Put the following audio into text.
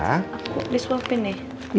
aku disuapin nih